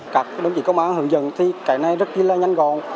các đồng chí công an hướng dẫn thì cái này rất là nhanh gọn